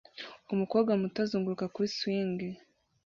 umukobwa muto azunguruka kuri swing